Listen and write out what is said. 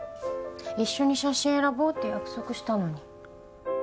一緒に写真選ぼうって約束したのに。